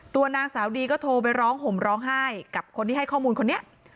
นางสาวดีก็โทรไปร้องห่มร้องไห้กับคนที่ให้ข้อมูลคนนี้